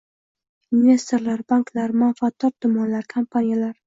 Investorlar, banklar, manfaatdor tomonlar, kompaniyalar